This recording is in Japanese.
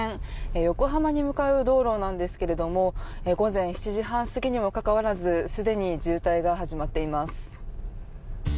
横浜に向かう道路なんですけども午前７時半過ぎにもかかわらずすでに渋滞が始まっています。